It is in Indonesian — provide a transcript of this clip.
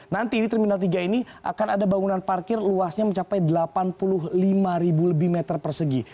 nanti di terminal tiga ini akan ada bangunan parkir luasnya mencapai delapan puluh lima ribu lebih meter persegi